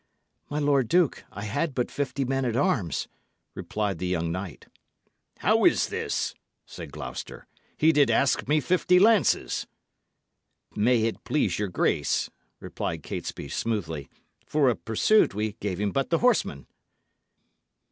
"My lord duke, I had but fifty men at arms," replied the young knight. "How is this?" said Gloucester. "He did ask me fifty lances." "May it please your grace," replied Catesby, smoothly, "for a pursuit we gave him but the horsemen."